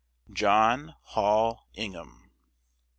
JOHN HALL INGHAM.